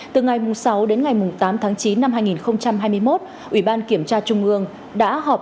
từ ngày sáu đến ngày tám tháng chín năm hai nghìn hai mươi một ủy ban kiểm tra trung ương đã họp